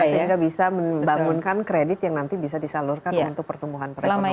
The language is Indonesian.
sehingga bisa membangunkan kredit yang nanti bisa disalurkan untuk pertumbuhan perekonomian